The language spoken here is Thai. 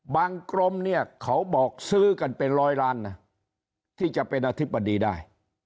กรมเนี่ยเขาบอกซื้อกันเป็นร้อยล้านนะที่จะเป็นอธิบดีได้